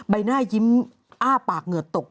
ใบหน้ายิ้มอ้าปากเหงื่อตก